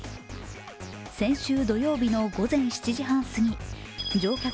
先週土曜日の午前７時半すぎ乗客